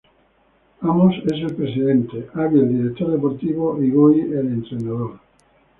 Amos es el presidente, Avi el director deportivo y Guy el entrenador.